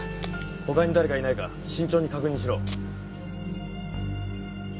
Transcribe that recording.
他に誰かいないか慎重に確認しろ。